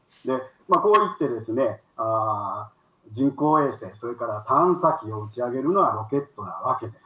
こうやって、人工衛星、それから探査機を打ち上げるのはロケットなわけです。